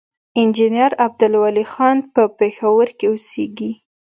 انجينير عبدالولي خان پۀ پېښور کښې اوسيږي،